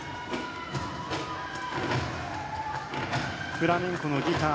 フラメンコのギター